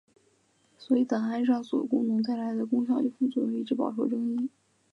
所以档案上锁功能带来的功效与副作用一直饱受争议。